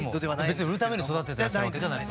別に売るために育ててるわけじゃない。